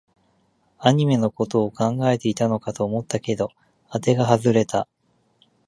アニメのことを考えていたのかと思ったけど、あてが外れた